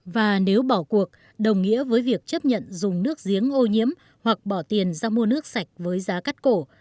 và nếu bỏ cuộc đồng nghĩa với việc chấp nhận dùng nước giếng ô nhiễm hoặc bỏ tiền ra mua nước sạch với giá cắt cổ